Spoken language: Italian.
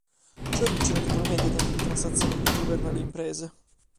Ciò riduce notevolmente i tempi di transazione per il governo e le imprese.